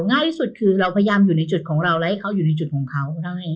ง่ายที่สุดคือเราพยายามอยู่ในจุดของเราและให้เขาอยู่ในจุดของเขา